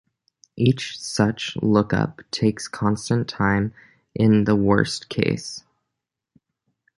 Each such lookup takes constant time in the worst case.